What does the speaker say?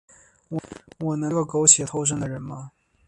我难道是一个苟且偷生的人吗？